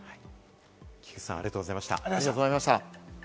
菊地さん、ありがとうございました。